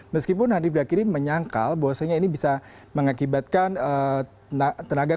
meskipun handi fadlakhiri menyangkal bahwasannya ini bisa mengakibatkan tenaga kerja